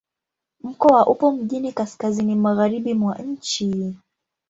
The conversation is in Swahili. Mkoa upo mjini kaskazini-magharibi mwa nchi.